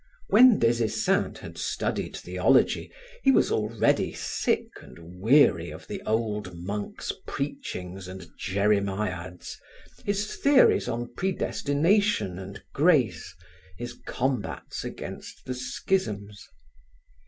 When Des Esseintes had studied theology, he was already sick and weary of the old monk's preachings and jeremiads, his theories on predestination and grace, his combats against the schisms.